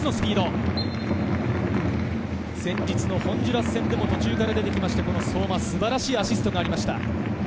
先日のホンジュラス戦でも途中から出て来て相馬は素晴らしいアシストがありました。